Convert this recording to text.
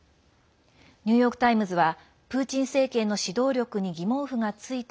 ニューヨーク・タイムズはプーチン政権の指導力に疑問符がついた